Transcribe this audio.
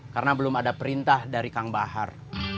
karena belum ada perintah dari kang bahar